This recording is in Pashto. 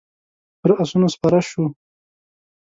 پر آسونو سپاره شوو.